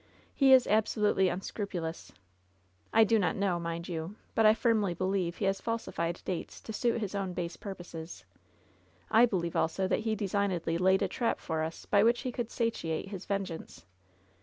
He is absolutely unscrupulous. I do not know, mind you, but I firmly believe he has falsi fied dates to suit his own base purposes. I believe also that he designedly laid a trap for us by which he could satiate his vengeance."